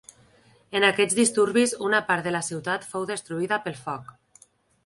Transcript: En aquests disturbis una part de la ciutat fou destruïda pel foc.